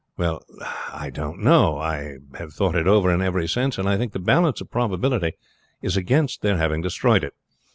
Well, I don't know; I have thought it over in every sense, and think the balance of probability is against their having destroyed it.